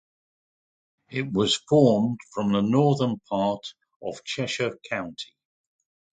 It was formed from the northern part of Cheshire County.